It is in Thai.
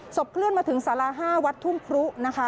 ศพเคลื่อนมาถึงศาลา๕วัดทุ่งครุ